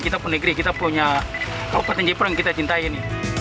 kita penegri kita punya kabupaten jayapura yang kita cintai ini